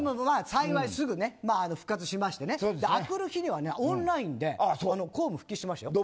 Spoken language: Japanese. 幸いすぐ復活しましてあくる日にはオンラインで公務復帰しました。